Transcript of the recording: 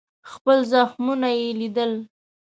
خپل زخمونه یې لیدل.